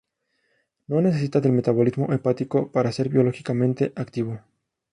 No necesita del metabolismo hepático para ser biológicamente activo.